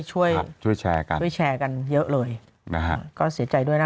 ช่วยช่วยแชร์กันช่วยแชร์กันเยอะเลยนะฮะก็เสียใจด้วยนะ